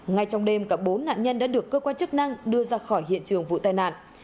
ngay trong đêm cả bốn nạn nhân đã được cơ quan chức năng đưa ra khỏi hiện trường vụ tai nạn